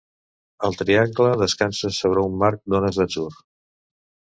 El triangle descansa sobre un mar d'ones d'atzur.